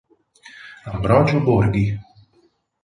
Ambrogio Borghi